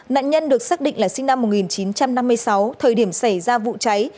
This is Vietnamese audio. nạn nhân được xác định là sinh năm một nghìn chín trăm năm mươi sáu thời điểm xảy ra vụ cháy